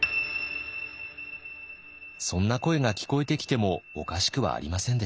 そんな声が聞こえてきてもおかしくはありませんでした。